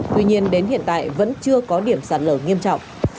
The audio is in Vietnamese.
tuy nhiên đến hiện tại vẫn chưa có điểm sạt lở nghiêm trọng